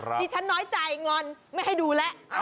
อ่ะนี่ฉันน้อยใจงอนไม่ให้ดูละ